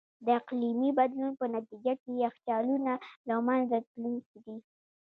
د اقلیمي بدلون په نتیجه کې یخچالونه له منځه تلونکي دي.